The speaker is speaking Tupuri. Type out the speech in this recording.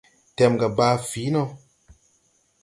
Tɛmga baa fǐi no.